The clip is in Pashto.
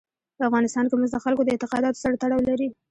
په افغانستان کې مس د خلکو د اعتقاداتو سره تړاو لري.